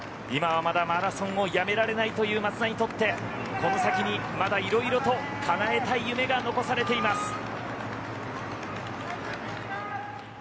今はまだマラソンをやめられないという松田にとってこの先にまだいろいろとかなえたい夢が残されています。